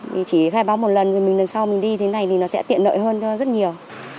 vì chỉ khai báo một lần thì mình lần sau mình đi thế này thì nó sẽ tiện lợi hơn cho rất nhiều